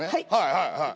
はいはい。